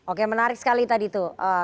oke menarik sekali tadi tuh